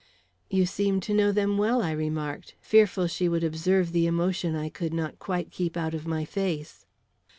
"You seem to know them well," I remarked, fearful she would observe the emotion I could not quite keep out of my face.